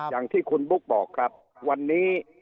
อย่างที่คุณบุ๊คบอกครับวันนี้